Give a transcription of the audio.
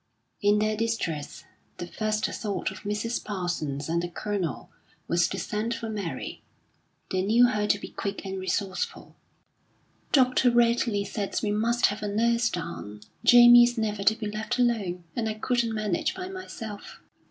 In their distress, the first thought of Mrs. Parsons and the Colonel was to send for Mary; they knew her to be quick and resourceful. "Dr. Radley says we must have a nurse down. Jamie is never to be left alone, and I couldn't manage by myself."